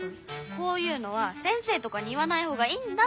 こういうのは先生とかに言わないほうがいいんだって。